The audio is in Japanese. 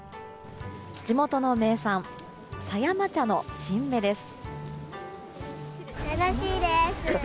地元の名産、狭山茶の新芽です。